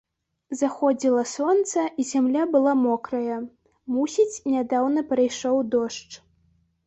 Заходзіла сонца, і зямля была мокрая, мусіць, нядаўна прайшоў дождж.